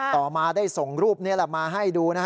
ต่อมาได้ส่งรูปนี้มาให้ดูนะฮะ